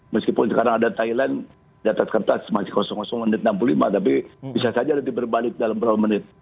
meskipun sekarang ada thailand catat kertas masih kosong menit enam puluh lima tapi bisa saja nanti berbalik dalam berapa menit